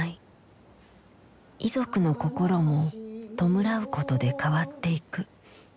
遺族の心も弔うことで変わっていく。